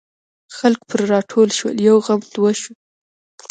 خلک پر راټول شول یو غم دوه شو.